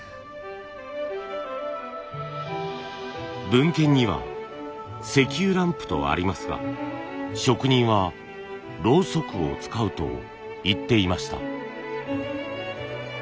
文献には石油ランプとありますが職人はろうそくを使うと言っていました。